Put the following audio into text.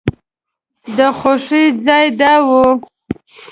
د خوښۍ ځای دا و.